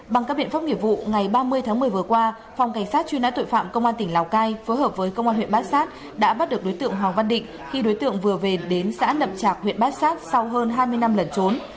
bằng các biện pháp nghiệp vụ ngày ba mươi tháng một mươi vừa qua phòng cảnh sát truy nã tội phạm công an tỉnh lào cai phối hợp với công an huyện bát sát đã bắt được đối tượng hoàng văn định khi đối tượng vừa về đến xã nậm trạc huyện bát sát sau hơn hai mươi năm lẩn trốn